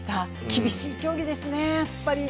厳しい競技ですね。